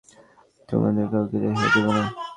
আমি তোদের কাউকে রেহাই দিব না।